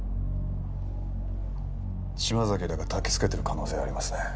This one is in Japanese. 島崎らがたきつけている可能性ありますね。